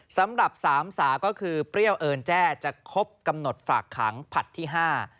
สำหรับสามสาก็คือเปรี้ยวเอิญแจ้จะครบกำหนดฝากขังผลัดที่ห้า